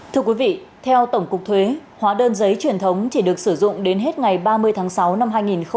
thưa quý vị theo tổng cục thuế hóa đơn giấy truyền thống chỉ được sử dụng đến hết ngày ba mươi tháng sáu năm hai nghìn hai mươi